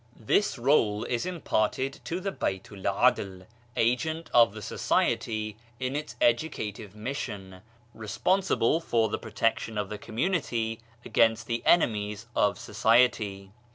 This role is imparted to the BaltuVAdl, agent of the society in its educative mission, responsible for the protection of the community against the enemies of society.